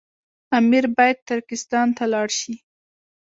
امیر باید ترکستان ته ولاړ شي.